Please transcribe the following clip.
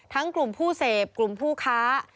กลุ่มผู้เสพกลุ่มผู้ค้า